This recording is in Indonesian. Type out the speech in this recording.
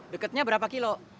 deketnya berapa kilo